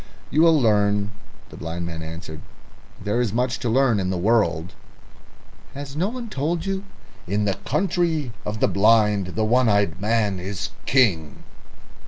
"You'll learn," the blind man answered. "There is much to learn in the world." "Has no one told you, 'In the Country of the Blind the One eyed Man is King'?"